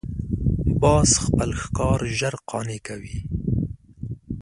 باز خپل ښکار ژر قانع کوي